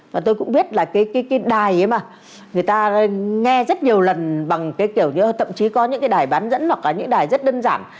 và tôi cũng biết là cái đài ấy mà người ta nghe rất nhiều lần bằng cái kiểu như thậm chí có những cái đài bán dẫn hoặc là những đài rất đơn giản